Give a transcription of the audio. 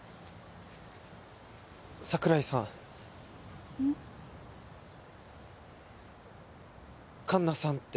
桜井さん。